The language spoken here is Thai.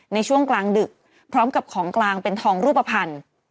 ในช่วงกลางดึกพร้อมกับของกลางเป็นทองรูปภัณฑ์